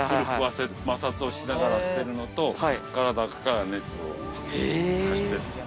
摩擦をしながらしてるのと体から熱を発してる。